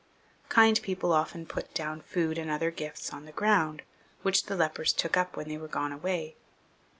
Kind people often put down food and other gifts on the ground, which the lepers took up when they were gone away.